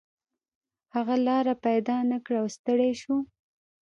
هغه لاره پیدا نه کړه او ستړی شو.